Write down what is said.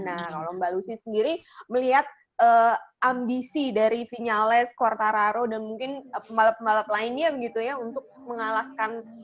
nah kalau mbak lucy sendiri melihat ambisi dari vinyales quartararo dan mungkin pembalap pembalap lainnya begitu ya untuk mengalahkan